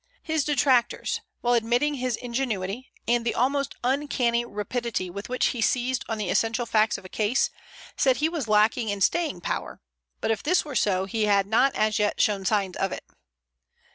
His detractors, while admitting his ingenuity and the almost uncanny rapidity with which he seized on the essential facts of a case, said he was lacking in staying power, but if this were so, he had not as yet shown signs of it.